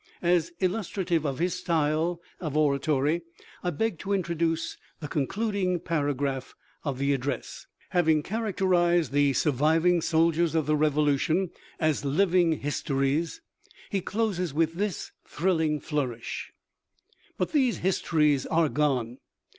As illustrative of his style of oratory, I beg to introduce the concluding para graph of the address. Having characterized the surviving soldiers of the Revolution as " living histories," he closes with this thrilling flourish: " But these histories are gone.